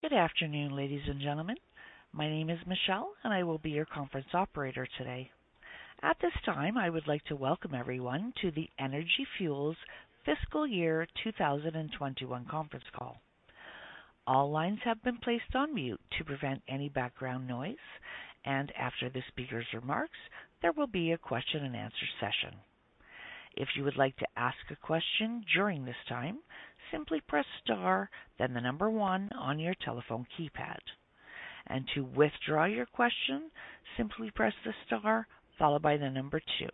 Good afternoon, ladies and gentlemen. My name is Michelle, and I will be your conference operator today. At this time, I would like to welcome everyone to the Energy Fuels fiscal year 2021 conference call. All lines have been placed on mute to prevent any background noise. After the speaker's remarks, there will be a question-and-answer session. If you would like to ask a question during this time, simply press star, then the number one on your telephone keypad. To withdraw your question, simply press the star followed by the number two.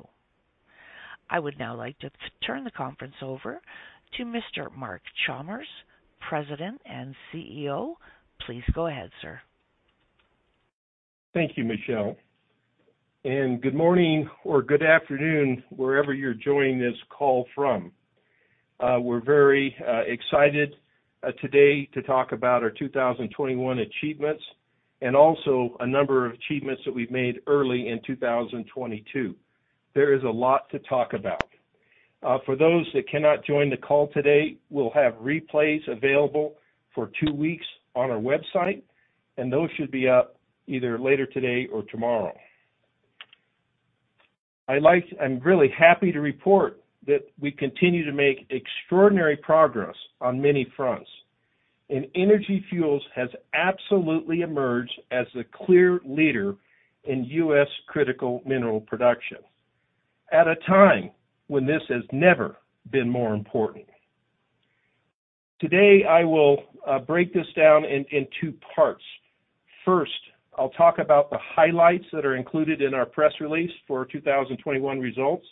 I would now like to turn the conference over to Mr. Mark Chalmers, President and CEO. Please go ahead, sir. Thank you, Michelle. Good morning or good afternoon, wherever you're joining this call from. We're very excited today to talk about our 2021 achievements and also a number of achievements that we've made early in 2022. There is a lot to talk about. For those that cannot join the call today, we'll have replays available for two weeks on our website, and those should be up either later today or tomorrow. I'm really happy to report that we continue to make extraordinary progress on many fronts. Energy Fuels has absolutely emerged as the clear leader in U.S. critical mineral production at a time when this has never been more important. Today, I will break this down in two parts. First, I'll talk about the highlights that are included in our press release for 2021 results,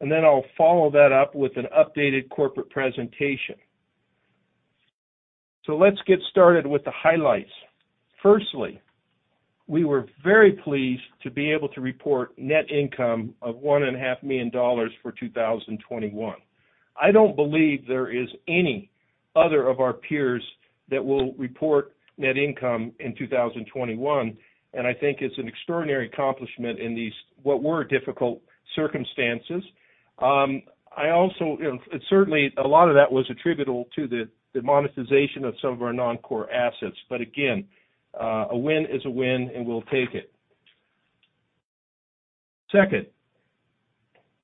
and then I'll follow that up with an updated corporate presentation. Let's get started with the highlights. Firstly, we were very pleased to be able to report net income of $1.5 million for 2021. I don't believe there is any other of our peers that will report net income in 2021, and I think it's an extraordinary accomplishment in these, what were difficult circumstances. Certainly, a lot of that was attributable to the monetization of some of our non-core assets. Again, a win is a win, and we'll take it. Second,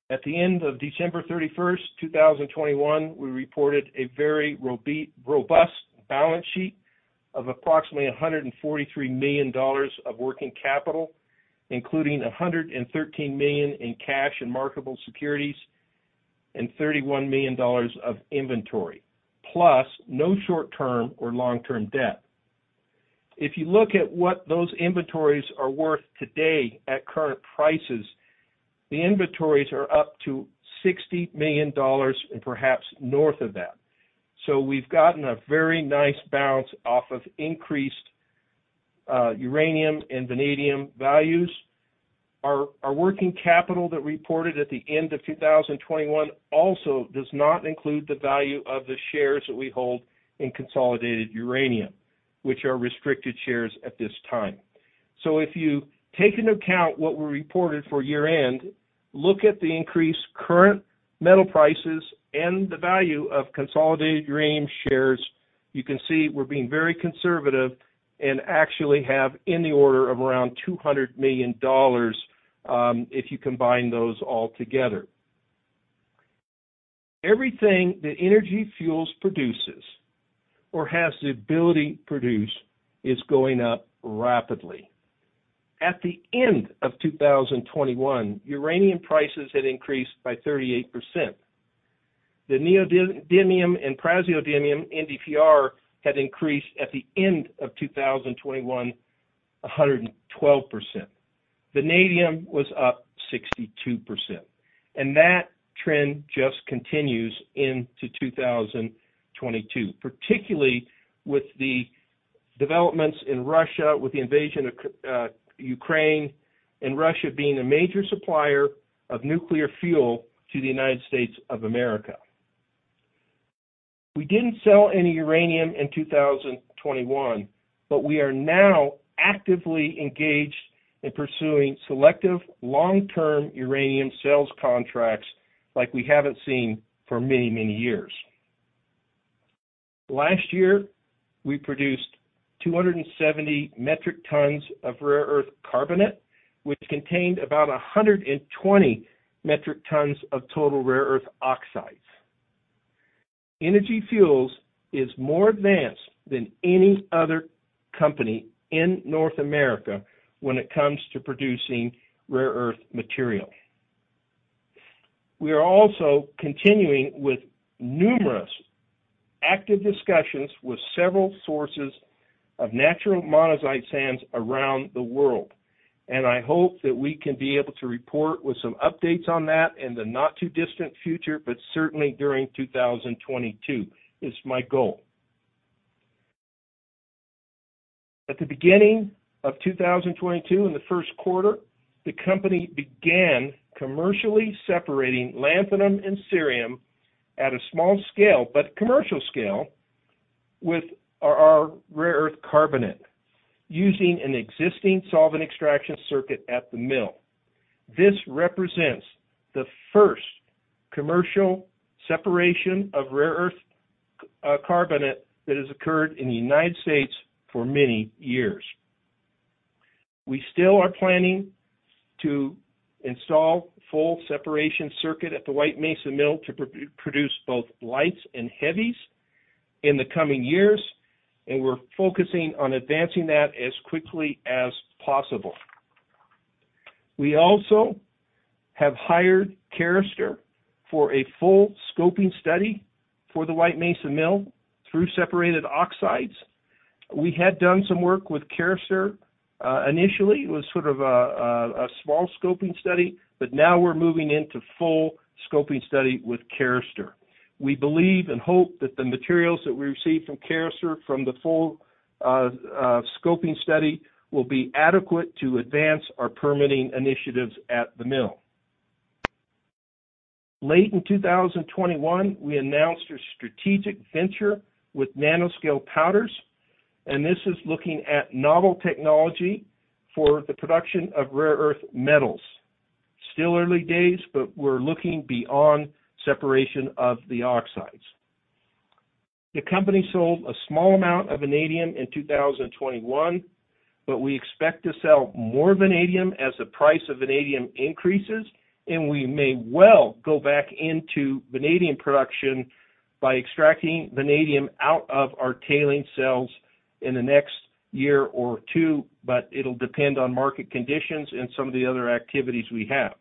at the end of December 31st, 2021, we reported a very robust balance sheet of approximately $143 million of working capital, including $113 million in cash and marketable securities and $31 million of inventory, plus no short-term or long-term debt. If you look at what those inventories are worth today at current prices, the inventories are up to $60 million and perhaps north of that. We've gotten a very nice bounce off of increased uranium and vanadium values. Our working capital that reported at the end of 2021 also does not include the value of the shares that we hold in Consolidated Uranium, which are restricted shares at this time. If you take into account what we reported for year-end, look at the increased current metal prices and the value of Consolidated Uranium shares, you can see we're being very conservative and actually have in the order of around $200 million if you combine those all together. Everything that Energy Fuels produces or has the ability to produce is going up rapidly. At the end of 2021, uranium prices had increased by 38%. The neodymium and praseodymium, NdPr, had increased at the end of 2021, 112%. Vanadium was up 62%. That trend just continues into 2022, particularly with the developments in Russia with the invasion of Ukraine and Russia being a major supplier of nuclear fuel to the United States of America. We didn't sell any uranium in 2021, but we are now actively engaged in pursuing selective long-term uranium sales contracts like we haven't seen for many, many years. Last year, we produced 270 metric tons of rare earth carbonate, which contained about 120 metric tons of total rare earth oxides. Energy Fuels is more advanced than any other company in North America when it comes to producing rare earth material. We are also continuing with numerous active discussions with several sources of natural monazite sands around the world, and I hope that we can be able to report with some updates on that in the not too distant future, but certainly during 2022. It's my goal. At the beginning of 2022, in the first quarter, the company began commercially separating lanthanum and cerium at a small scale, but commercial scale, with our rare earth carbonate using an existing solvent extraction circuit at the mill. This represents the first commercial separation of rare earth carbonate that has occurred in the United States for many years. We still are planning to install full separation circuit at the White Mesa Mill to produce both lights and heavies in the coming years, and we're focusing on advancing that as quickly as possible. We also have hired Carester for a full scoping study for the White Mesa Mill through separated oxides. We had done some work with Carester. Initially it was sort of a small scoping study, but now we're moving into full scoping study with Carester. We believe and hope that the materials that we receive from Carester from the full scoping study will be adequate to advance our permitting initiatives at the mill. Late in 2021, we announced a strategic venture with Nanoscale Powders, and this is looking at novel technology for the production of rare earth metals. Still early days, but we're looking beyond separation of the oxides. The company sold a small amount of vanadium in 2021, but we expect to sell more vanadium as the price of vanadium increases, and we may well go back into vanadium production by extracting vanadium out of our tailing cells in the next year or two, but it'll depend on market conditions and some of the other activities we have.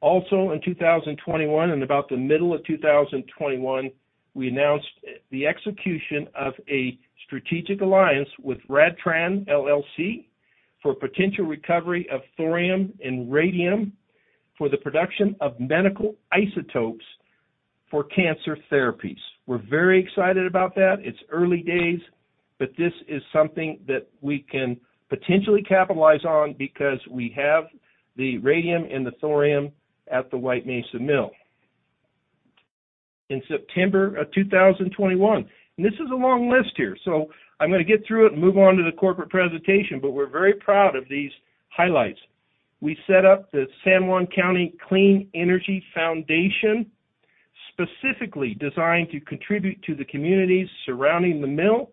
In 2021, in about the middle of 2021, we announced the execution of a strategic alliance with RadTran LLC for potential recovery of thorium and radium for the production of medical isotopes for cancer therapies. We're very excited about that. It's early days, but this is something that we can potentially capitalize on because we have the radium and the thorium at the White Mesa mill. In September of 2021, and this is a long list here, so I'm gonna get through it and move on to the corporate presentation, but we're very proud of these highlights. We set up the San Juan County Clean Energy Foundation, specifically designed to contribute to the communities surrounding the mill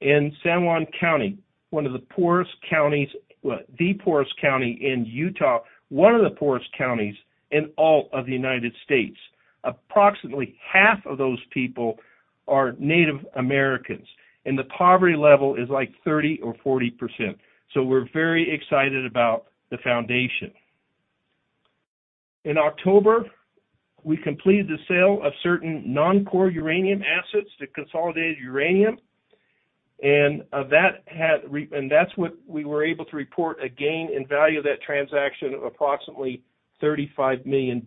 in San Juan County, one of the poorest counties. Well, the poorest county in Utah, one of the poorest counties in all of the United States. Approximately half of those people are Native Americans, and the poverty level is like 30% or 40%. We're very excited about the foundation. In October, we completed the sale of certain non-core uranium assets to Consolidated Uranium and that's what we were able to report a gain in value of that transaction of approximately $35 million.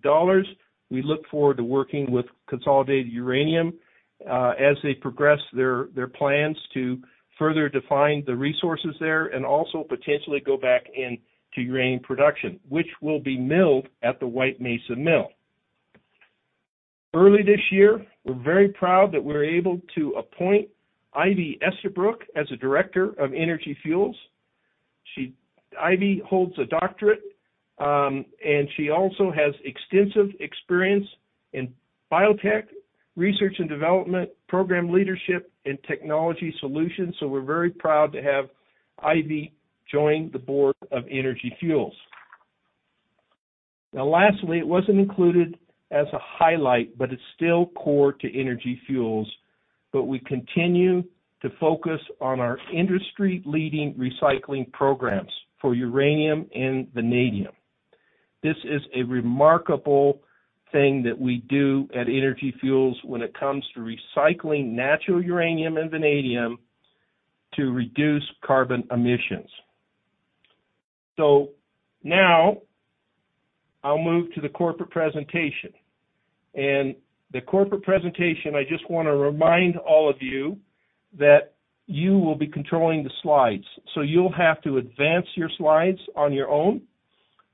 We look forward to working with Consolidated Uranium as they progress their plans to further define the resources there and also potentially go back into uranium production, which will be milled at the White Mesa Mill. Early this year, we're very proud that we're able to appoint Ivy Estabrook as a director of Energy Fuels. Ivy holds a doctorate, and she also has extensive experience in biotech research and development, program leadership, and technology solutions, so we're very proud to have Ivy join the board of Energy Fuels. Now lastly, it wasn't included as a highlight, but it's still core to Energy Fuels, but we continue to focus on our industry-leading recycling programs for uranium and vanadium. This is a remarkable thing that we do at Energy Fuels when it comes to recycling natural uranium and vanadium to reduce carbon emissions. Now I'll move to the corporate presentation. The corporate presentation, I just wanna remind all of you that you will be controlling the slides, so you'll have to advance your slides on your own.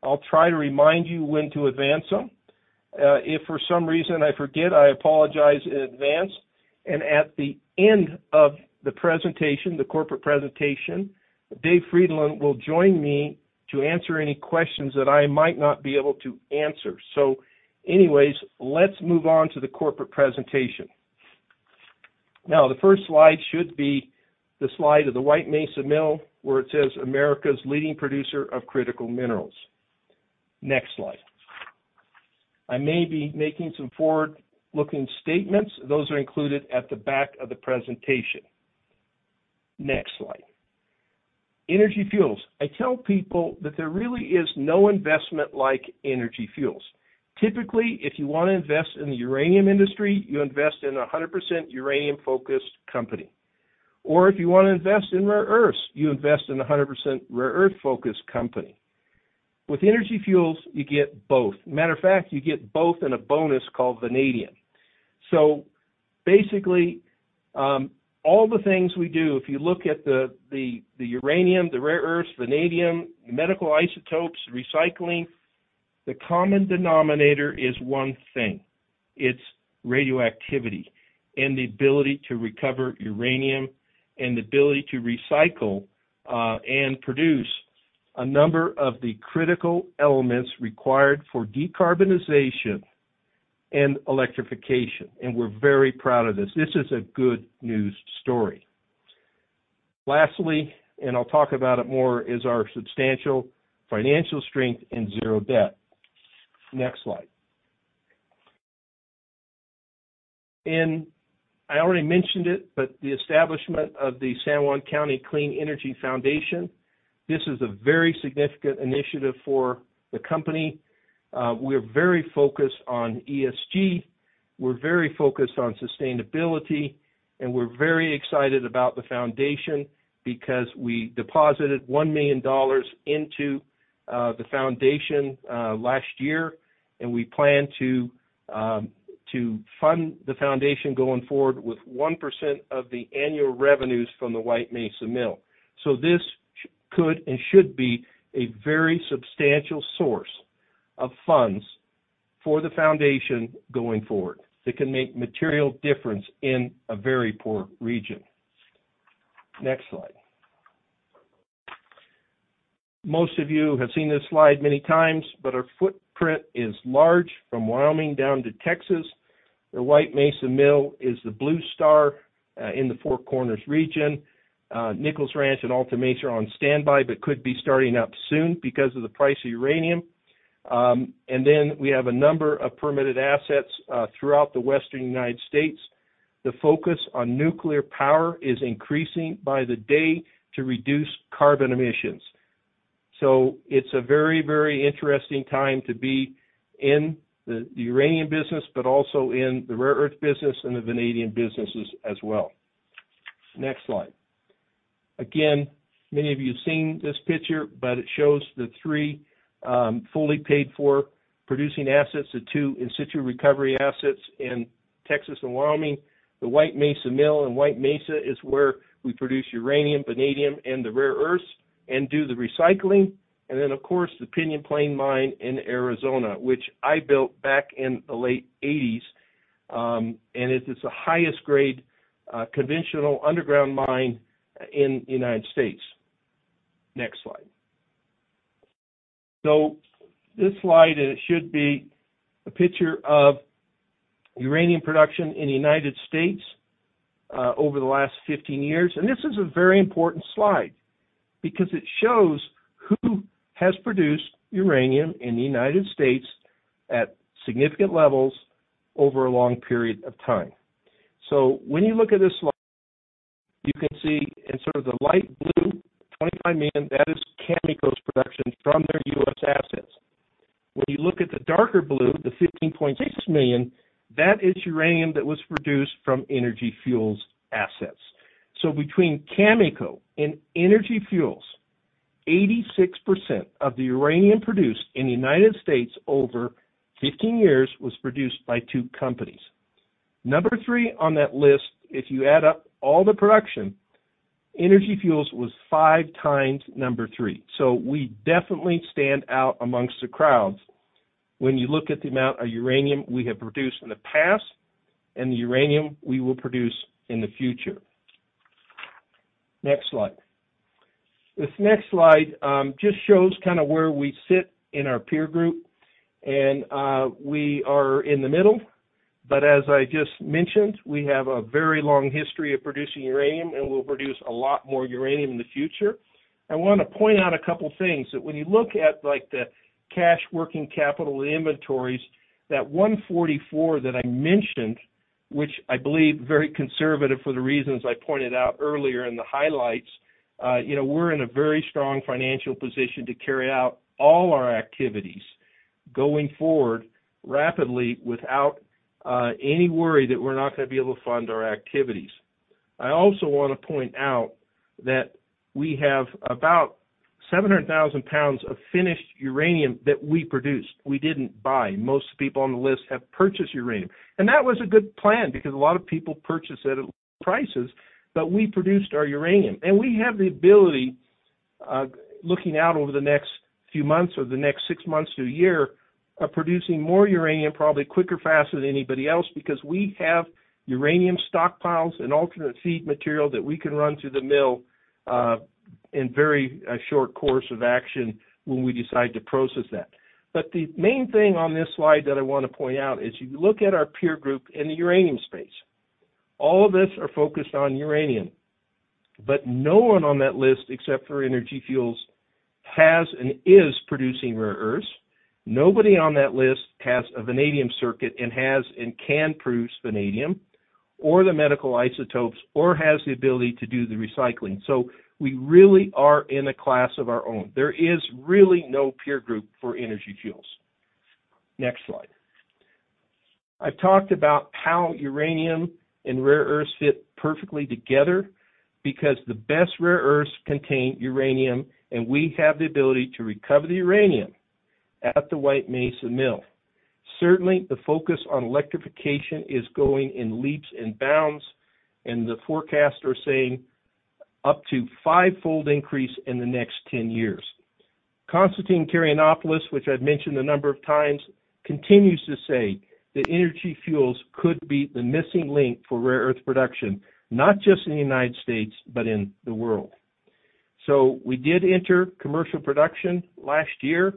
I'll try to remind you when to advance them. If for some reason I forget, I apologize in advance. At the end of the presentation, the corporate presentation, Dave Frydenlund will join me to answer any questions that I might not be able to answer. Anyways, let's move on to the corporate presentation. Now, the first slide should be the slide of the White Mesa Mill, where it says, America's leading producer of critical minerals. Next slide. I may be making some forward-looking statements. Those are included at the back of the presentation. Next slide. Energy Fuels. I tell people that there really is no investment like Energy Fuels. Typically, if you wanna invest in the uranium industry, you invest in a 100% uranium-focused company. Or if you wanna invest in rare earths, you invest in a 100% rare earth-focused company. With Energy Fuels, you get both. Matter of fact, you get both and a bonus called vanadium. Basically, all the things we do, if you look at the uranium, the rare earths, vanadium, medical isotopes, recycling. The common denominator is one thing, it's radioactivity, and the ability to recover uranium and the ability to recycle, and produce a number of the critical elements required for decarbonization and electrification. We're very proud of this. This is a good news story. Lastly, I'll talk about it more, is our substantial financial strength and zero debt. Next slide. I already mentioned it, but the establishment of the San Juan County Clean Energy Foundation, this is a very significant initiative for the company. We're very focused on ESG, we're very focused on sustainability, and we're very excited about the foundation because we deposited $1 million into the foundation last year, and we plan to fund the foundation going forward with 1% of the annual revenues from the White Mesa Mill. This could and should be a very substantial source of funds for the foundation going forward that can make material difference in a very poor region. Next slide. Most of you have seen this slide many times, but our footprint is large from Wyoming down to Texas. The White Mesa Mill is the blue star in the Four Corners region. Nichols Ranch and Alta Mesa are on standby but could be starting up soon because of the price of uranium. We have a number of permitted assets throughout the Western United States. The focus on nuclear power is increasing by the day to reduce carbon emissions. It's a very, very interesting time to be in the uranium business, but also in the rare earth business and the vanadium businesses as well. Next slide. Again, many of you have seen this picture, but it shows the three fully paid for producing assets, the two in situ recovery assets in Texas and Wyoming. The White Mesa Mill in White Mesa is where we produce uranium, vanadium, and the rare earths and do the recycling. Of course, the Pinyon Plain Mine in Arizona, which I built back in the late 1980s, and it is the highest grade conventional underground mine in the United States. Next slide. This slide, it should be a picture of uranium production in the United States over the last 15 years. This is a very important slide because it shows who has produced uranium in the United States at significant levels over a long period of time. When you look at this slide, you can see in sort of the light blue, 25 million, that is Cameco's production from their U.S. assets. When you look at the darker blue, the 15.6 million, that is uranium that was produced from Energy Fuels assets. Between Cameco and Energy Fuels, 86% of the uranium produced in the United States over 15 years was produced by two companies. Number three on that list, if you add up all the production, Energy Fuels was 5x number three. We definitely stand out amongst the crowds when you look at the amount of uranium we have produced in the past and the uranium we will produce in the future. Next slide. This next slide just shows kind of where we sit in our peer group, and we are in the middle, but as I just mentioned, we have a very long history of producing uranium, and we'll produce a lot more uranium in the future. I wanna point out a couple things, that when you look at like the cash working capital inventories, that $144 that I mentioned, which I believe very conservative for the reasons I pointed out earlier in the highlights, you know, we're in a very strong financial position to carry out all our activities going forward rapidly without any worry that we're not gonna be able to fund our activities. I also wanna point out that we have about 700,000 lbs of finished uranium that we produced. We didn't buy. Most people on the list have purchased uranium. That was a good plan because a lot of people purchased it at prices, but we produced our uranium. We have the ability, looking out over the next few months or the next six months to a year, of producing more uranium probably quicker, faster than anybody else because we have uranium stockpiles and alternate feed material that we can run through the mill, in a very short course of action when we decide to process that. The main thing on this slide that I wanna point out is you look at our peer group in the uranium space. All of us are focused on uranium, but no one on that list, except for Energy Fuels, is producing rare earths. Nobody on that list has a vanadium circuit and can produce vanadium or the medical isotopes or has the ability to do the recycling. We really are in a class of our own. There is really no peer group for Energy Fuels. Next slide. I've talked about how uranium and rare earths fit perfectly together because the best rare earths contain uranium, and we have the ability to recover the uranium at the White Mesa Mill. Certainly, the focus on electrification is going in leaps and bounds, and the forecasts are saying up to fivefold increase in the next 10 years. Constantine Karayannopoulos, which I've mentioned a number of times, continues to say that Energy Fuels could be the missing link for rare earth production, not just in the United States, but in the world. We did enter commercial production last year.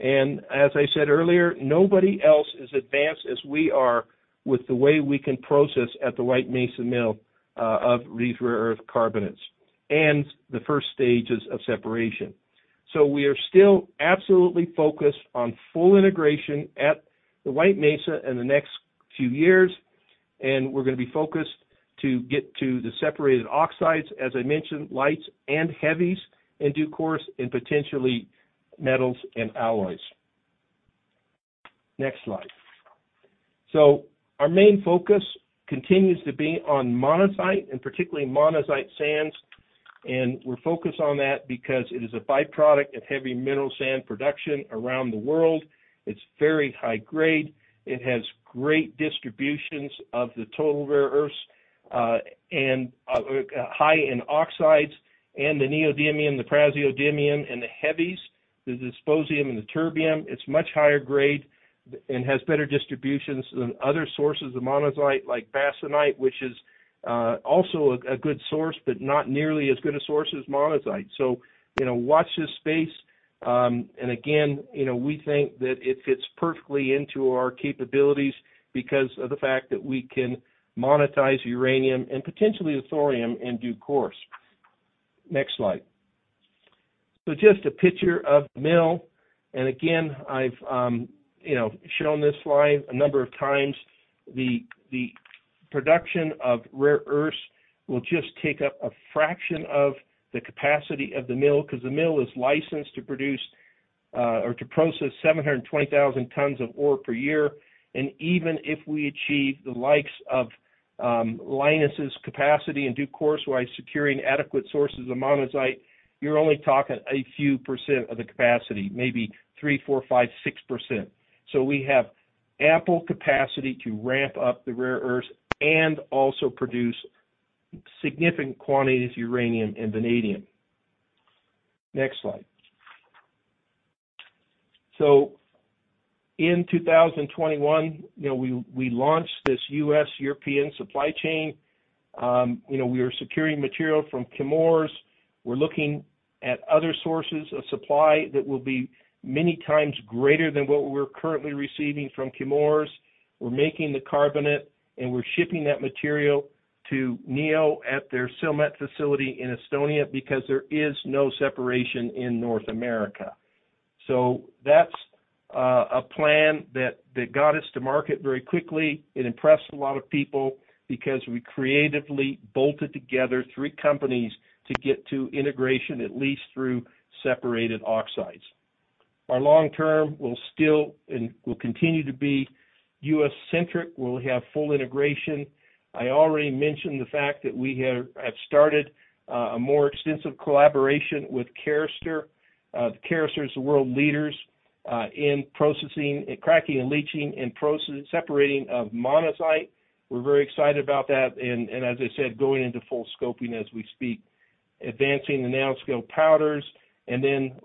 As I said earlier, nobody else is advanced as we are with the way we can process at the White Mesa Mill of these rare earth carbonates and the first stages of separation. We are still absolutely focused on full integration at the White Mesa in the next few years, and we're gonna be focused to get to the separated oxides, as I mentioned, lights and heavies in due course, and potentially metals and alloys. Next slide. Our main focus continues to be on monazite, and particularly monazite sands. We're focused on that because it is a byproduct of heavy mineral sand production around the world. It's very high grade. It has great distributions of the total rare earths, and high in oxides and the neodymium, the praseodymium, and the heavies, the dysprosium, and the terbium. It's much higher grade and has better distributions than other sources of monazite like bastnäsite, which is also a good source, but not nearly as good a source as monazite. You know, watch this space. Again, you know, we think that it fits perfectly into our capabilities because of the fact that we can monetize uranium and potentially the thorium in due course. Next slide. Just a picture of the mill. Again, I've, you know, shown this slide a number of times. The production of rare earths will just take up a fraction of the capacity of the mill 'cause the mill is licensed to produce or to process 700,000 tons of ore per year. Even if we achieve the likes of Lynas' capacity in due course by securing adequate sources of monazite, you're only talking a few percent of the capacity, maybe 3%, 4%, 5%, 6%. We have ample capacity to ramp up the rare earths and also produce significant quantities of uranium and vanadium. Next slide. In 2021, you know, we launched this U.S.-European supply chain. You know, we are securing material from Chemours. We're looking at other sources of supply that will be many times greater than what we're currently receiving from Chemours. We're making the carbonate, and we're shipping that material to Neo at their Silmet facility in Estonia because there is no separation in North America. That's a plan that got us to market very quickly. It impressed a lot of people because we creatively bolted together three companies to get to integration, at least through separated oxides. Our long term will still and will continue to be U.S.-centric, where we have full integration. I already mentioned the fact that we have started a more extensive collaboration with Carester. Carester is the world leaders in processing, cracking and leaching and separating of monazite. We're very excited about that and as I said, going into full scoping as we speak. Advancing the Nanoscale Powders.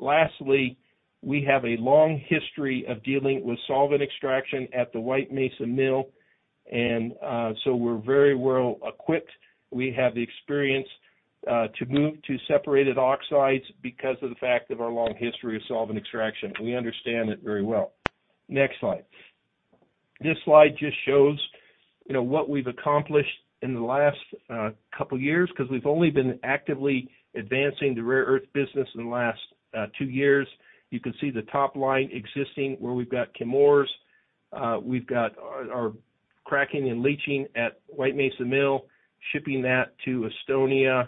Lastly, we have a long history of dealing with solvent extraction at the White Mesa mill. We're very well equipped. We have the experience to move to separated oxides because of the fact of our long history of solvent extraction. We understand it very well. Next slide. This slide just shows, you know, what we've accomplished in the last couple years, 'cause we've only been actively advancing the rare earth business in the last two years. You can see the top line existing where we've got Chemours. We've got our cracking and leaching at White Mesa Mill, shipping that to Estonia,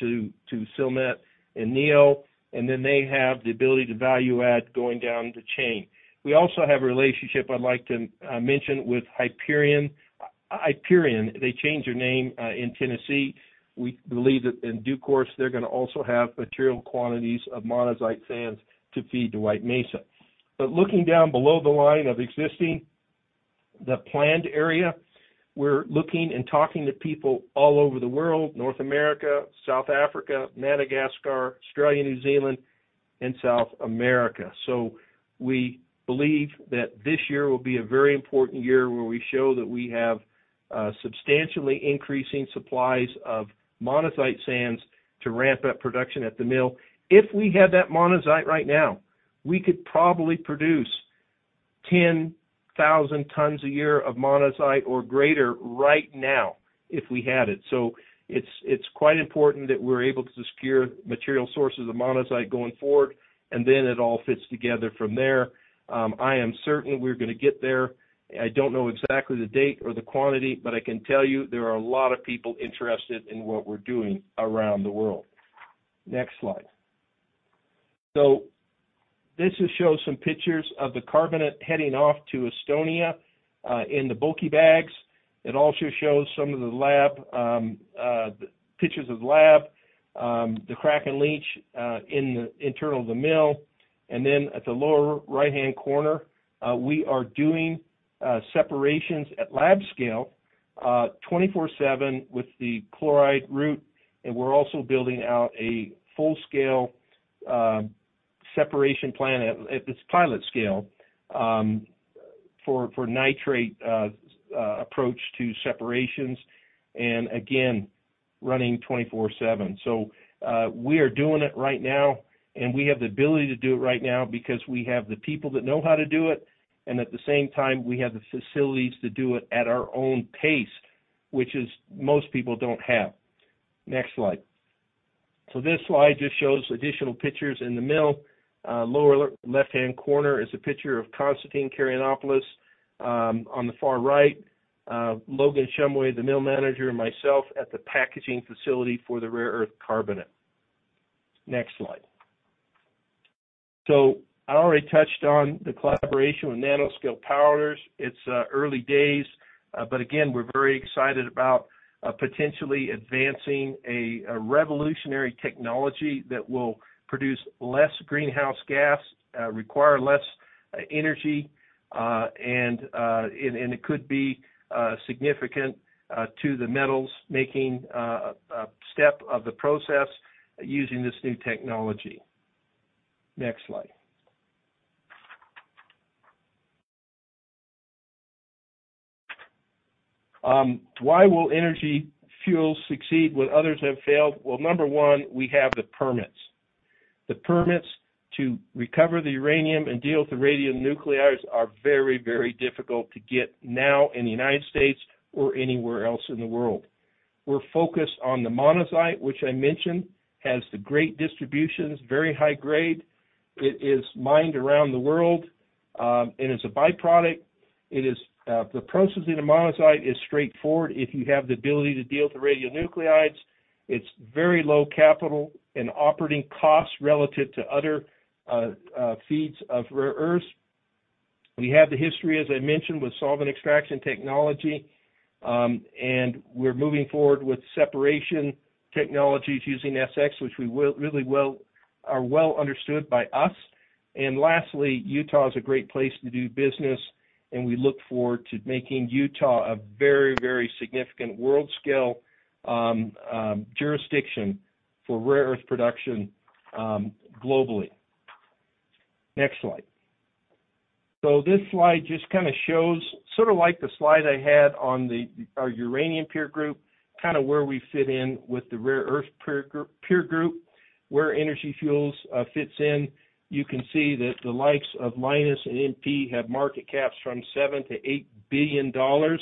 to Silmet and Neo, and then they have the ability to value add going down the chain. We also have a relationship I'd like to mention with Hyperion. Hyperion, they changed their name in Tennessee. We believe that in due course, they're gonna also have material quantities of monazite sands to feed to White Mesa. Looking down below the line of existing, the planned area, we're looking and talking to people all over the world, North America, South Africa, Madagascar, Australia, New Zealand, and South America. We believe that this year will be a very important year where we show that we have substantially increasing supplies of monazite sands to ramp up production at the mill. If we had that monazite right now, we could probably produce 10,000 tons a year of monazite or greater right now if we had it. It's quite important that we're able to secure material sources of monazite going forward, and then it all fits together from there. I am certain we're gonna get there. I don't know exactly the date or the quantity, but I can tell you there are a lot of people interested in what we're doing around the world. Next slide. This just shows some pictures of the carbonate heading off to Estonia, in the bulky bags. It also shows some of the lab pictures of the lab, the crack and leach in the internal of the mill. At the lower right-hand corner, we are doing separations at lab scale 24/7 with the chloride route. We're also building out a full-scale separation plant at this pilot scale for nitrate approach to separations and again running 24/7. We are doing it right now, and we have the ability to do it right now because we have the people that know how to do it, and at the same time, we have the facilities to do it at our own pace, which is most people don't have. Next slide. This slide just shows additional pictures in the mill. Lower left-hand corner is a picture of Constantine Karayannopoulos. On the far right, Logan Shumway, the mill manager, and myself at the packaging facility for the rare earth carbonate. Next slide. I already touched on the collaboration with Nanoscale Powders. It's early days, but again, we're very excited about potentially advancing a revolutionary technology that will produce less greenhouse gas, require less energy, and it could be significant to the metals making a step of the process using this new technology. Next slide. Why will Energy Fuels succeed where others have failed? Well, number one, we have the permits. The permits to recover the uranium and deal with the radionuclides are very, very difficult to get now in the United States or anywhere else in the world. We're focused on the monazite, which I mentioned has the great distributions, very high grade. It is mined around the world, and it's a byproduct. It is the process in a monazite is straightforward if you have the ability to deal with the radionuclides. It's very low capital and operating costs relative to other feeds of rare earths. We have the history, as I mentioned, with solvent extraction technology, and we're moving forward with separation technologies using SX, which are well understood by us. Lastly, Utah is a great place to do business, and we look forward to making Utah a very, very significant world-scale jurisdiction for rare earth production globally. Next slide. This slide just kinda shows sort of like the slide I had on our Uranium Peer Group, kind of where we fit in with the Rare Earth Peer Group, where Energy Fuels fits in. You can see that the likes of Lynas and MP have market caps from $7 billion-$8 billion.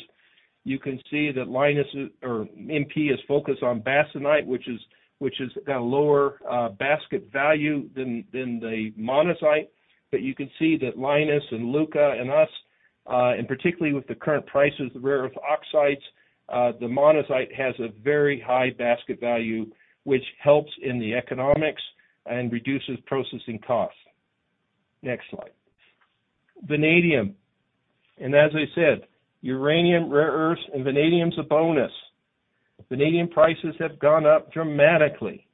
You can see that Lynas or MP is focused on bastnäsite, which is a lower basket value than the monazite. But you can see that Lynas and Iluka and us, and particularly with the current prices of rare earth oxides, the monazite has a very high basket value, which helps in the economics and reduces processing costs. Next slide. Vanadium. As I said, uranium, rare earths, and vanadium's a bonus. Vanadium prices have gone up dramatically.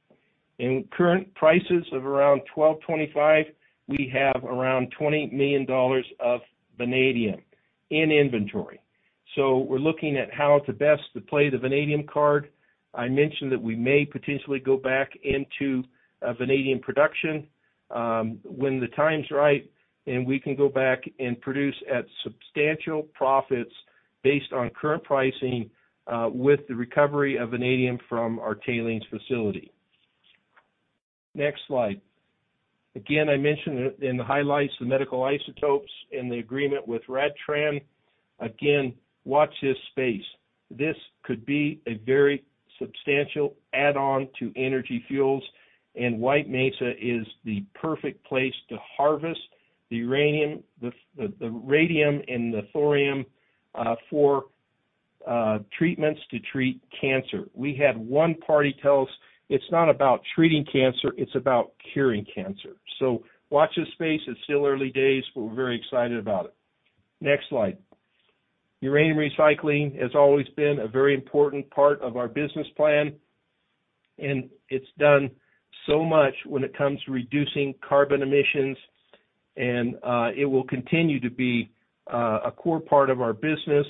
In current prices of around $12.25, we have around $20 million of vanadium in inventory. We're looking at how to best play the vanadium card. I mentioned that we may potentially go back into vanadium production, when the time's right, and we can go back and produce at substantial profits based on current pricing, with the recovery of vanadium from our tailings facility. Next slide. Again, I mentioned it in the highlights, the medical isotopes and the agreement with RadTran. Again, watch this space. This could be a very substantial add-on to Energy Fuels. White Mesa is the perfect place to harvest the uranium, the radium, and the thorium, for treatments to treat cancer. We had one party tell us it's not about treating cancer, it's about curing cancer. Watch this space. It's still early days, but we're very excited about it. Next slide. Uranium recycling has always been a very important part of our business plan, and it's done so much when it comes to reducing carbon emissions, and it will continue to be a core part of our business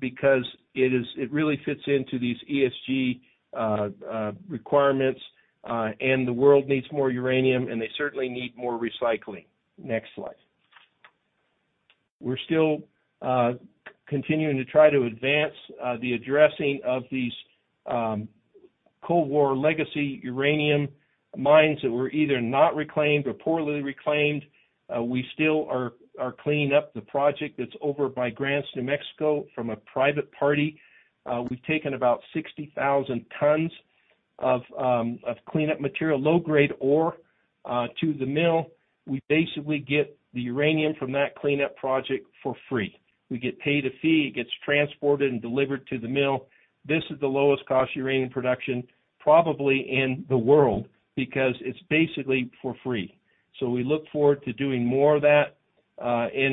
because it really fits into these ESG requirements, and the world needs more uranium, and they certainly need more recycling. Next slide. We're still continuing to try to advance the addressing of these Cold War legacy uranium mines that were either not reclaimed or poorly reclaimed. We still are cleaning up the project that's over by Grants, New Mexico from a private party. We've taken about 60,000 tons of cleanup material, low-grade ore, to the mill. We basically get the uranium from that cleanup project for free. We get paid a fee. It gets transported and delivered to the mill. This is the lowest cost uranium production probably in the world because it's basically for free. We look forward to doing more of that.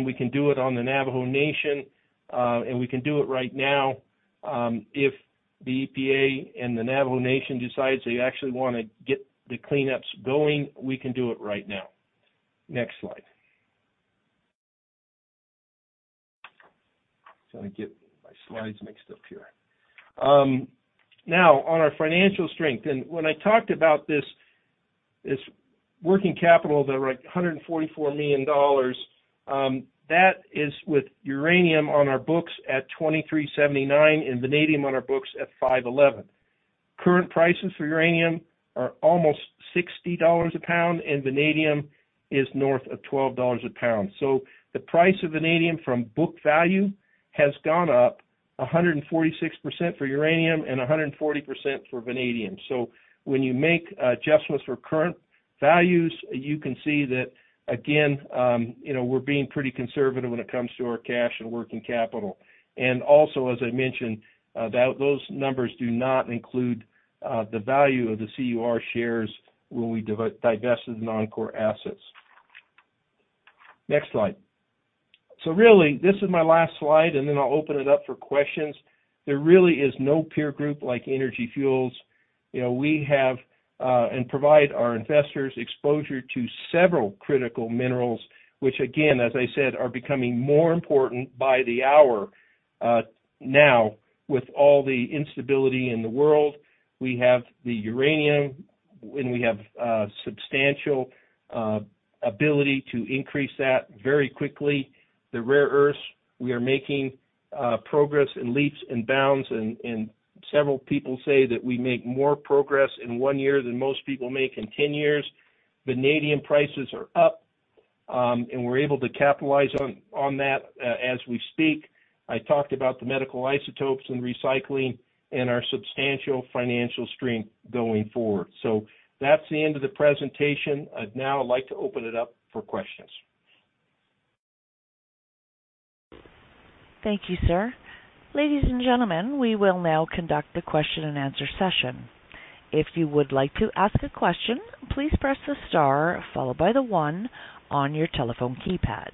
We can do it on the Navajo Nation, and we can do it right now, if the EPA and the Navajo Nation decides they actually wanna get the cleanups going, we can do it right now. Next slide. Sorry, I get my slides mixed up here. Now on our financial strength, and when I talked about this working capital that are, like, $144 million, that is with uranium on our books at $23.79 and vanadium on our books at $5.11. Current prices for uranium are almost $60 a pound, and vanadium is north of $12 a pound. The price of vanadium from book value has gone up 146% for uranium and 140% for vanadium. When you make adjustments for current values, you can see that again, you know, we're being pretty conservative when it comes to our cash and working capital. Also, as I mentioned, those numbers do not include the value of the CUR shares when we divest the non-core assets. Next slide. Really, this is my last slide, and then I'll open it up for questions. There really is no peer group like Energy Fuels. You know, we have and provide our investors exposure to several critical minerals, which again, as I said, are becoming more important by the hour, now with all the instability in the world. We have the uranium, and we have substantial ability to increase that very quickly. The rare earths, we are making progress in leaps and bounds and several people say that we make more progress in one year than most people make in 10 years. Vanadium prices are up, and we're able to capitalize on that as we speak. I talked about the medical isotopes and recycling and our substantial financial strength going forward. That's the end of the presentation. I'd now like to open it up for questions. Thank you, sir. Ladies and gentlemen, we will now conduct the question-and-answer session. If you would like to ask a question, please press the star followed by the one on your telephone keypad.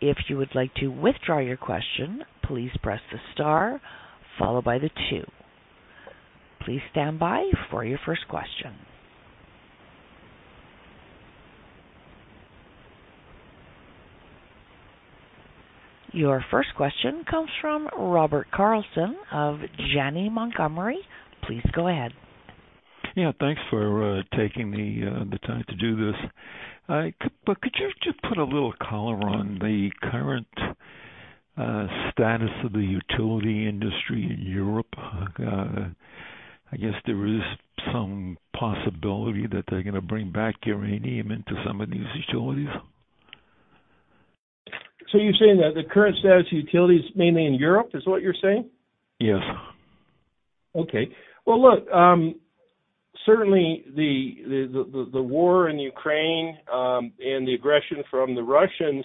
If you would like to withdraw your question, please press the star followed by the two. Please stand by for your first question. Your first question comes from Robert Carlson of Janney Montgomery. Please go ahead. Yeah. Thanks for taking the time to do this. Could you just put a little color on the current status of the utility industry in Europe? I guess there is some possibility that they're gonna bring back uranium into some of these utilities. You're saying that the current status of utilities mainly in Europe is what you're saying? Yes. Okay. Well, look, certainly the war in Ukraine and the aggression from the Russians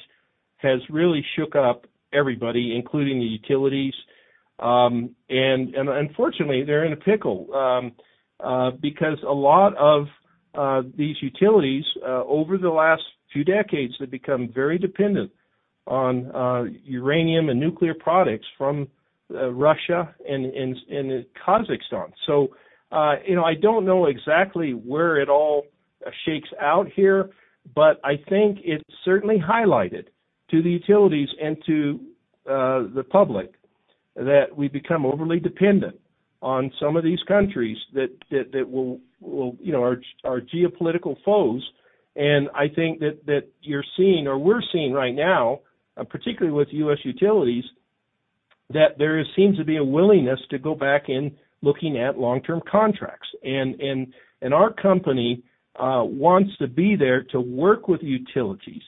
has really shook up everybody, including the utilities. And unfortunately, they're in a pickle because a lot of these utilities over the last few decades have become very dependent on uranium and nuclear products from Russia and Kazakhstan. You know, I don't know exactly where it all shakes out here, but I think it certainly highlighted to the utilities and to the public that we've become overly dependent on some of these countries that, you know, are geopolitical foes. I think that you're seeing or we're seeing right now, particularly with U.S. utilities, that there seems to be a willingness to go back in looking at long-term contracts. Our company wants to be there to work with utilities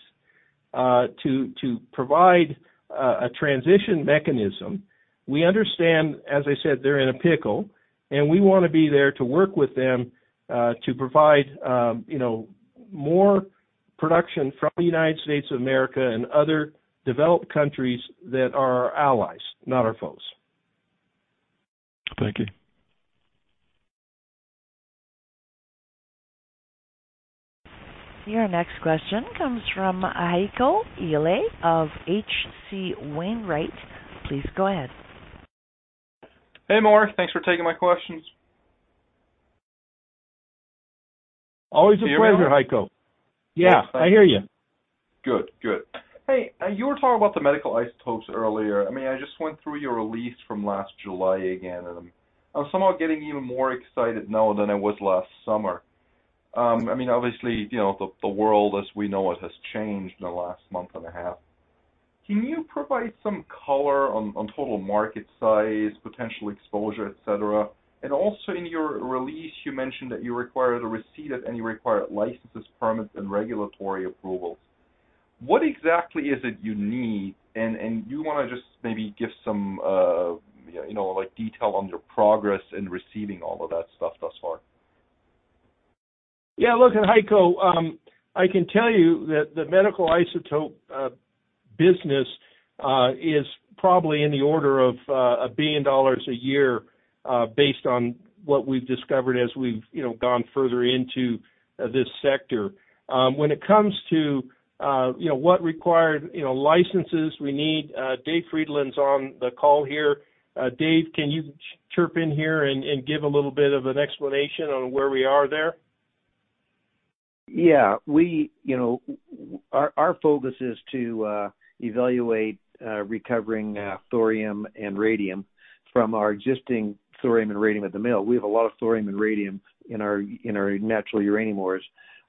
to provide a transition mechanism. We understand, as I said, they're in a pickle, and we wanna be there to work with them to provide, you know, more production from the United States of America and other developed countries that are our allies, not our foes. Thank you. Your next question comes from Heiko Ihle of H.C. Wainwright. Please go ahead. Hey, Mark. Thanks for taking my questions. Always a pleasure, Heiko. Can you hear me? Yeah, I hear you. Good. Good. Hey, you were talking about the medical isotopes earlier. I mean, I just went through your release from last July again, and I'm somehow getting even more excited now than I was last summer. I mean, obviously, you know, the world as we know it has changed in the last month and a half. Can you provide some color on total market size, potential exposure, et cetera? And also, in your release, you mentioned that you required a receipt of any required licenses, permits, and regulatory approvals. What exactly is it you need, and you wanna just maybe give some, you know, like, detail on your progress in receiving all of that stuff thus far? Yeah. Look, Heiko, I can tell you that the medical isotope business is probably in the order of $1 billion a year, based on what we've discovered as we've, you know, gone further into this sector. When it comes to, you know, what required licenses we need, Dave Frydenlund's on the call here. Dave, can you chime in here and give a little bit of an explanation on where we are there? Yeah. You know, our focus is to evaluate recovering thorium and radium from our existing thorium and radium at the mill. We have a lot of thorium and radium in our natural uranium ores.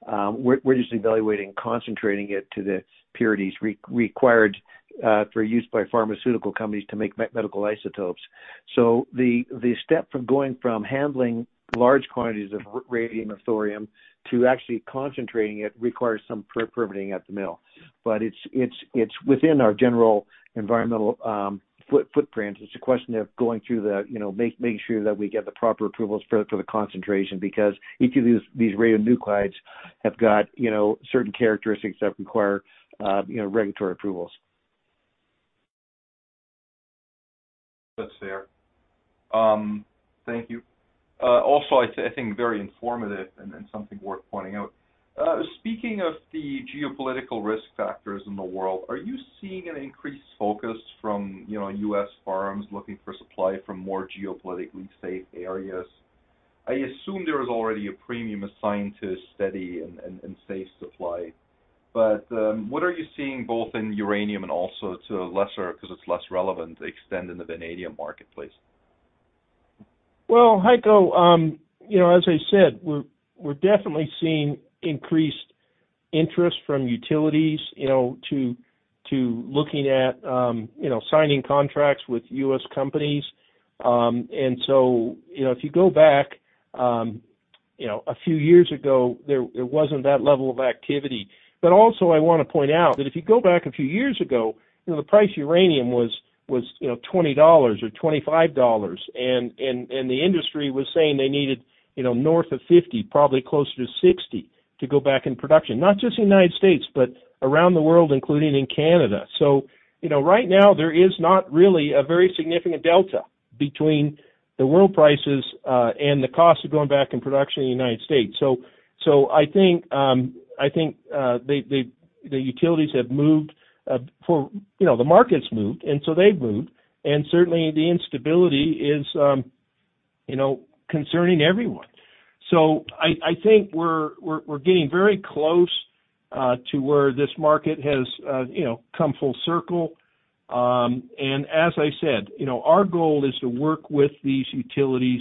We're just evaluating concentrating it to the purities required for use by pharmaceutical companies to make medical isotopes. The step from going from handling large quantities of radium or thorium to actually concentrating it requires some permitting at the mill. It's within our general environmental footprint. It's a question of going through, you know, making sure that we get the proper approvals for the concentration. Because each of these radionuclides have got, you know, certain characteristics that require regulatory approvals. That's fair. Thank you. Also I think very informative and something worth pointing out. Speaking of the geopolitical risk factors in the world, are you seeing an increased focus from, you know, U.S. firms looking for supply from more geopolitically safe areas? I assume there is already a premium assigned to steady and safe supply. What are you seeing both in uranium and also to a lesser, 'cause it's less relevant, extent in the vanadium marketplace? Well, Heiko, you know, as I said, we're definitely seeing increased interest from utilities, you know, to looking at, you know, signing contracts with U.S. companies. You know, if you go back, you know, a few years ago, there wasn't that level of activity. Also I wanna point out that if you go back a few years ago, you know, the price of uranium was, you know, $20 or $25, and the industry was saying they needed, you know, north of 50, probably closer to 60 to go back in production. Not just in the United States, but around the world, including in Canada. You know, right now there is not really a very significant delta between the world prices and the cost of going back in production in the United States. I think the utilities have moved. You know, the market's moved, and so they've moved, and certainly the instability is concerning everyone. I think we're getting very close to where this market has come full circle. As I said, you know, our goal is to work with these utilities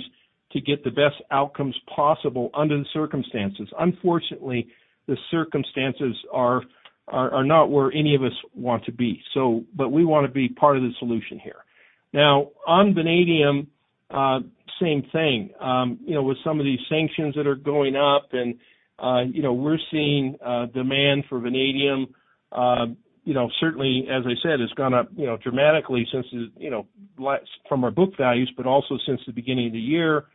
to get the best outcomes possible under the circumstances. Unfortunately, the circumstances are not where any of us want to be, so but we wanna be part of the solution here. Now, on vanadium, same thing. You know, with some of these sanctions that are going up and, you know, we're seeing demand for vanadium, you know, certainly, as I said, has gone up, you know, dramatically since, you know, from our book values, but also since the beginning of the year.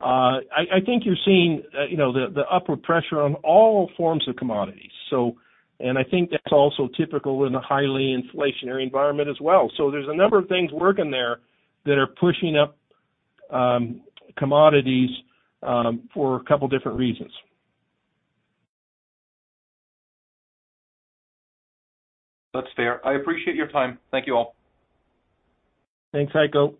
I think you're seeing, you know, the upward pressure on all forms of commodities. I think that's also typical in a highly inflationary environment as well. There's a number of things working there that are pushing up commodities for a couple different reasons. That's fair. I appreciate your time. Thank you all. Thanks, Heiko.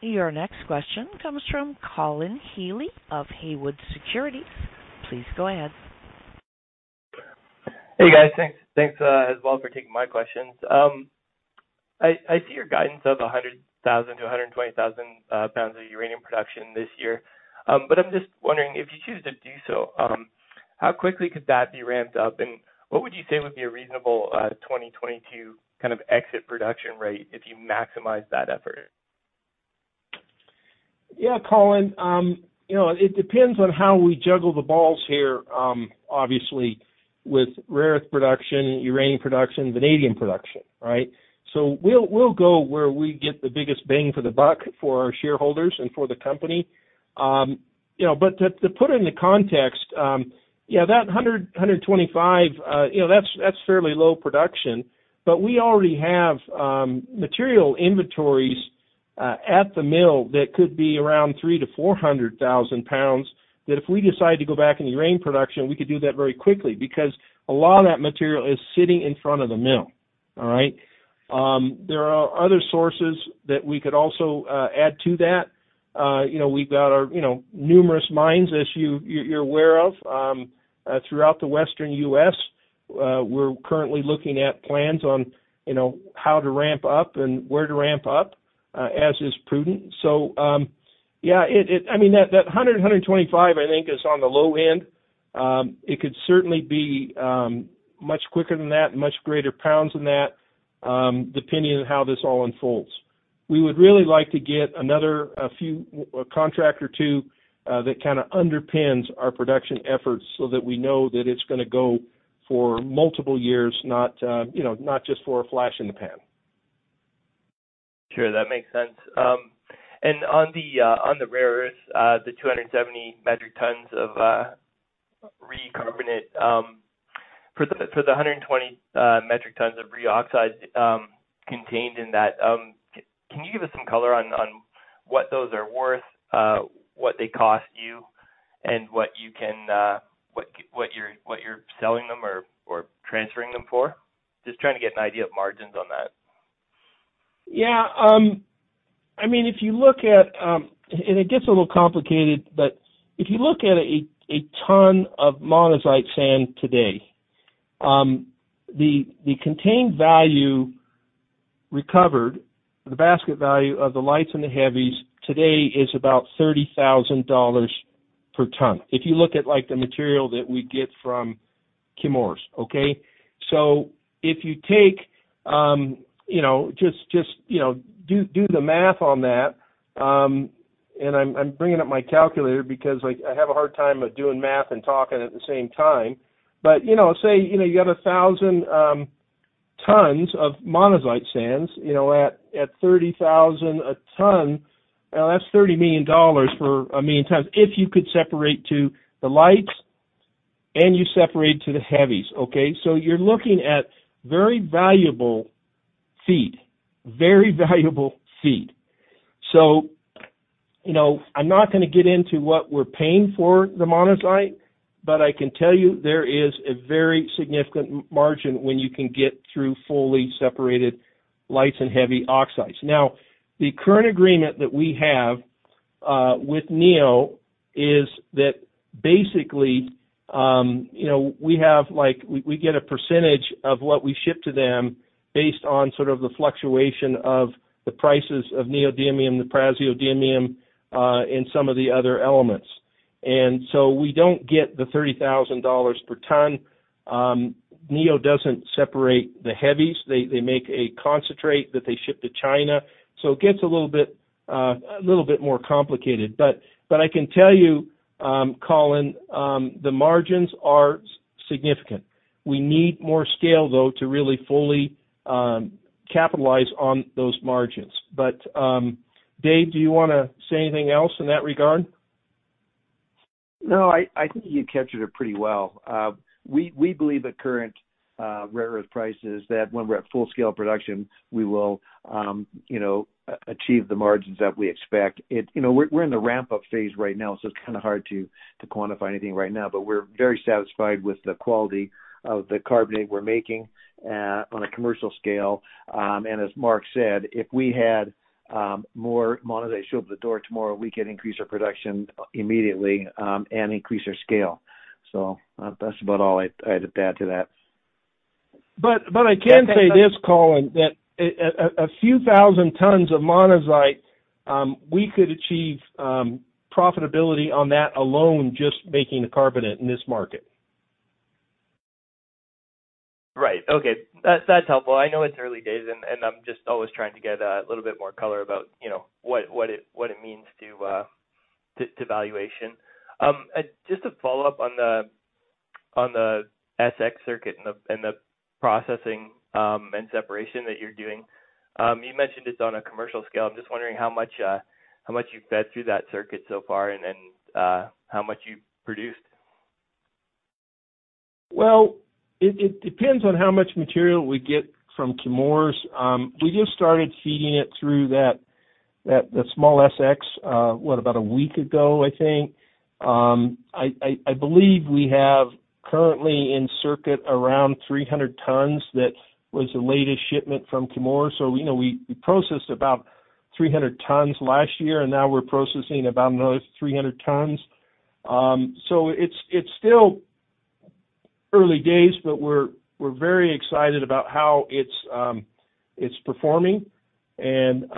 Your next question comes from Colin Healey of Haywood Securities. Please go ahead. Hey, guys. Thanks as well for taking my questions. I see your guidance of 100,000-120,000 lbs of uranium production this year. But I'm just wondering, if you choose to do so, how quickly could that be ramped up? What would you say would be a reasonable 2022 kind of exit production rate if you maximize that effort? Yeah, Colin. You know, it depends on how we juggle the balls here, obviously with rare earth production, uranium production, vanadium production, right? We'll go where we get the biggest bang for the buck for our shareholders and for the company. You know, to put it into context, yeah, that 125, you know, that's fairly low production. We already have material inventories at the mill that could be around 300,000-400,000 lbs that if we decide to go back into uranium production, we could do that very quickly because a lot of that material is sitting in front of the mill. All right. There are other sources that we could also add to that. You know, we've got our, you know, numerous mines as you're aware of throughout the Western U.S. We're currently looking at plans on, you know, how to ramp up and where to ramp up as is prudent. I mean, that 125 I think is on the low end. It could certainly be much quicker than that, much greater pounds than that depending on how this all unfolds. We would really like to get a contract or two that kind of underpins our production efforts so that we know that it's gonna go for multiple years, not just for a flash in the pan. Sure, that makes sense. And on the rare earths, the 270 metric tons of RE carbonate for the 120 metric tons of RE oxide contained in that, can you give us some color on what those are worth, what they cost you and what you're selling them or transferring them for? Just trying to get an idea of margins on that. Yeah. I mean, if you look at, it gets a little complicated, but if you look at a ton of monazite sand today, the contained value recovered, the basket value of the lights and the heavies today is about $30,000 per ton. If you look at, like, the material that we get from Chemours, okay? If you take, you know, just, you know, do the math on that, and I'm bringing up my calculator because I have a hard time of doing math and talking at the same time. You know, say, you know, you got 1,000 tons of monazite sands, you know, at $30,000 a ton, now that's $30 million for 1 million tons if you could separate to the lights and you separate to the heavies, okay? You're looking at very valuable feed, very valuable feed. You know, I'm not gonna get into what we're paying for the monazite, but I can tell you there is a very significant margin when you can get through fully separated lights and heavy oxides. Now, the current agreement that we have with Neo is that basically, you know, we get a percentage of what we ship to them based on sort of the fluctuation of the prices of neodymium, the praseodymium, and some of the other elements. We don't get the $30,000 per ton. Neo doesn't separate the heavies. They make a concentrate that they ship to China, so it gets a little bit more complicated. But I can tell you, Colin, the margins are significant. We need more scale though, to really fully capitalize on those margins. Dave, do you wanna say anything else in that regard? No, I think you captured it pretty well. We believe at current rare earth prices that when we're at full scale production, we will achieve the margins that we expect. We're in the ramp-up phase right now, so it's kinda hard to quantify anything right now, but we're very satisfied with the quality of the carbonate we're making on a commercial scale. As Mark said, if we had more monazite showed up at the door tomorrow, we could increase our production immediately and increase our scale. That's about all I'd add to that. I can say this, Colin, that a few thousand tons of monazite we could achieve profitability on that alone, just making the carbonate in this market. Right. Okay. That's helpful. I know it's early days and I'm just always trying to get a little bit more color about, you know, what it means to valuation. Just to follow up on the SX circuit and the processing and separation that you're doing. You mentioned it's on a commercial scale. I'm just wondering how much you've fed through that circuit so far and how much you've produced. Well, it depends on how much material we get from Chemours. We just started feeding it through that the small SX about a week ago I think. I believe we have currently in circuit around 300 tons. That was the latest shipment from Chemours. You know, we processed about 300 tons last year, and now we're processing about another 300 tons. So it's still early days, but we're very excited about how it's performing. Again,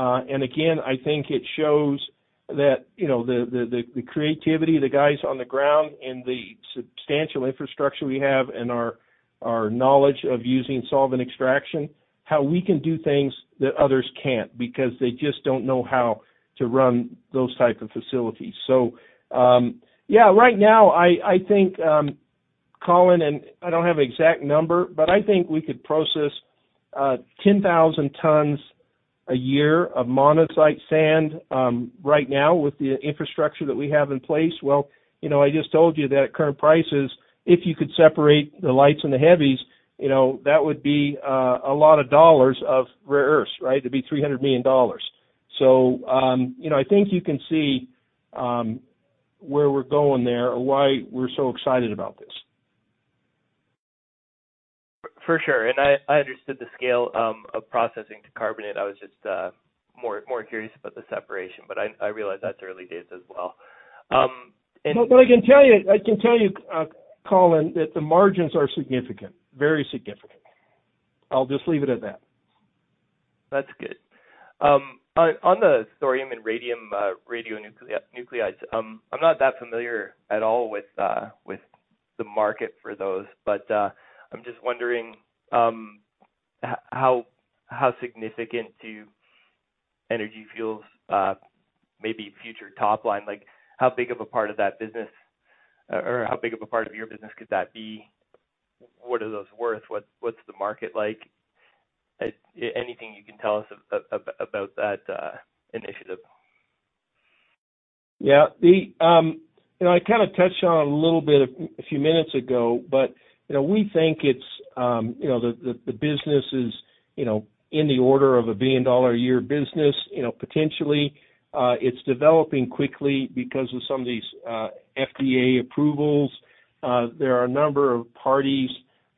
I think it shows that you know the creativity of the guys on the ground and the substantial infrastructure we have and our knowledge of using solvent extraction, how we can do things that others can't because they just don't know how to run those type of facilities. Yeah, right now, I think, Colin, and I don't have an exact number, but I think we could process 10,000 tons a year of monazite sand right now with the infrastructure that we have in place. Well, you know, I just told you that at current prices, if you could separate the lights and the heavies, you know, that would be a lot of dollars of rare earths, right? It'd be $300 million. You know, I think you can see where we're going there or why we're so excited about this. For sure. I understood the scale of processing to carbonate. I was just more curious about the separation, but I realize that's early days as well. I can tell you, Colin, that the margins are significant, very significant. I'll just leave it at that. That's good. On the thorium and radium radionuclides, I'm not that familiar at all with the market for those, but I'm just wondering how significant to Energy Fuels maybe future top line, like how big of a part of that business or how big of a part of your business could that be? What are those worth? What's the market like? Anything you can tell us about that initiative. Yeah, you know, I kind of touched on a little bit a few minutes ago, but you know, we think it's you know, the business is you know, in the order of a $1 billion-a-year business, you know, potentially. It's developing quickly because of some of these FDA approvals. There are a number of parties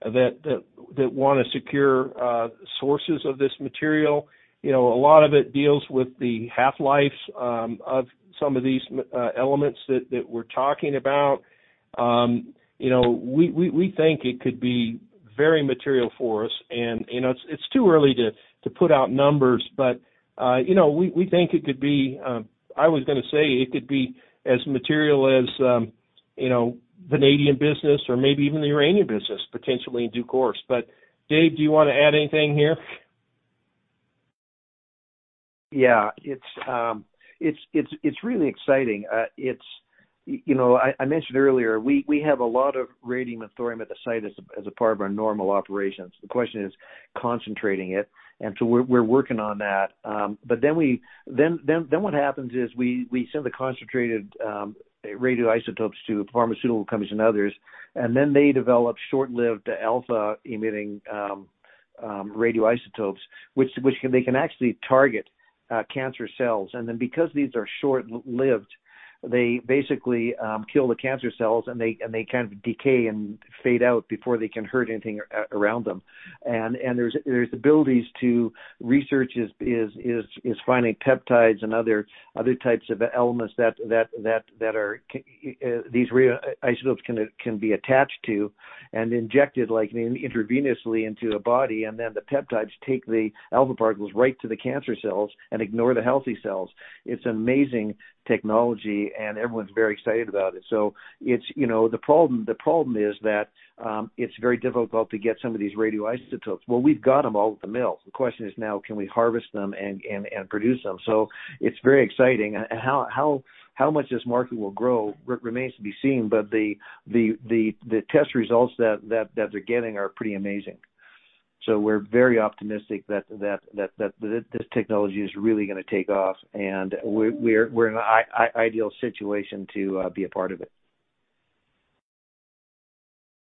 that wanna secure sources of this material. You know, a lot of it deals with the half-lives of some of these elements that we're talking about. You know, we think it could be very material for us and, you know, it's too early to put out numbers but, you know, we think it could be. I was gonna say it could be as material as vanadium business or maybe even the uranium business potentially in due course. Dave, do you wanna add anything here? Yeah. It's really exciting. You know, I mentioned earlier, we have a lot of radium and thorium at the site as a part of our normal operations. The question is concentrating it, and so we're working on that. What happens is we send the concentrated radioisotopes to pharmaceutical companies and others, and then they develop short-lived alpha-emitting radioisotopes, which can actually target cancer cells. Because these are short-lived, they basically kill the cancer cells, and they kind of decay and fade out before they can hurt anything around them. There's abilities to research is finding peptides and other types of elements that are these radioisotopes can be attached to and injected intravenously into the body, and then the peptides take the alpha particles right to the cancer cells and ignore the healthy cells. It's amazing technology, and everyone's very excited about it. It's, you know, the problem is that it's very difficult to get some of these radioisotopes. Well, we've got them out the mill. The question is now can we harvest them and produce them. It's very exciting. How much this market will grow remains to be seen. The test results that they're getting are pretty amazing. We're very optimistic that this technology is really gonna take off, and we're in an ideal situation to be a part of it.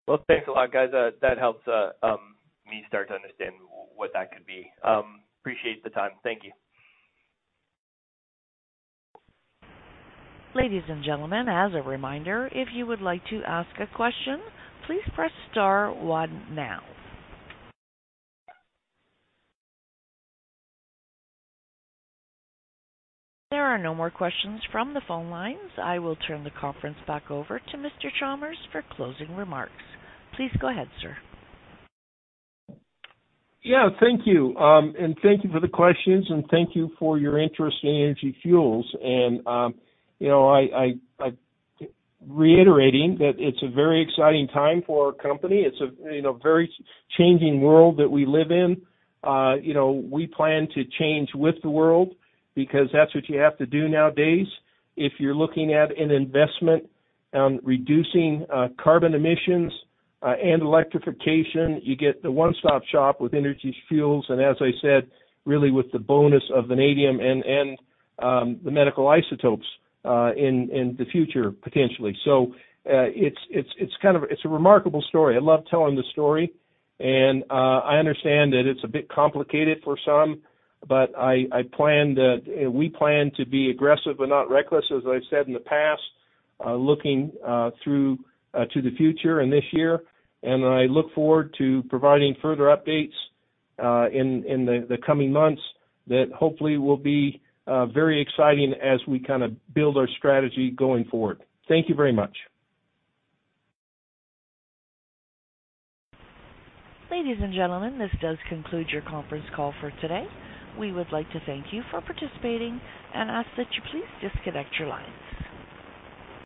Well, thanks a lot, guys. That helps me start to understand what that could be. Appreciate the time. Thank you. Ladies and gentlemen, as a reminder, if you would like to ask a question, please press star one now. There are no more questions from the phone lines. I will turn the conference back over to Mr. Chalmers for closing remarks. Please go ahead, sir. Yeah. Thank you. Thank you for the questions, and thank you for your interest in Energy Fuels. You know, reiterating that it's a very exciting time for our company. It's a, you know, very changing world that we live in. You know, we plan to change with the world because that's what you have to do nowadays. If you're looking at an investment on reducing carbon emissions and electrification, you get the one-stop shop with Energy Fuels, and as I said, really with the bonus of vanadium and the medical isotopes in the future, potentially. It's kind of a remarkable story. I love telling the story, and I understand that it's a bit complicated for some, but we plan to be aggressive but not reckless, as I've said in the past, looking through to the future and this year. I look forward to providing further updates in the coming months that hopefully will be very exciting as we kind of build our strategy going forward. Thank you very much. Ladies and gentlemen, this does conclude your conference call for today. We would like to thank you for participating and ask that you please disconnect your lines.